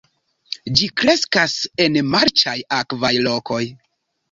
Ĝi kreskas en marĉaj, akvaj lokoj.